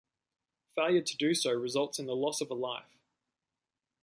Failure to do so results in the loss of a life.